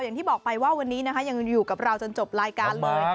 อย่างที่บอกไปว่าวันนี้นะคะยังอยู่กับเราจนจบรายการเลย